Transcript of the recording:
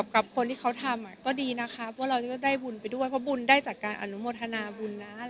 กับคนที่เขาทำก็ดีนะคะพวกเราก็ได้บุญไปด้วยเพราะบุญได้จากการอนุโมทนาบุญนะ